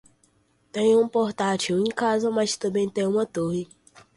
Tenho um portátil em casa mas também tenho uma torre.